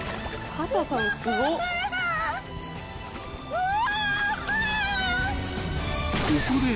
うわ。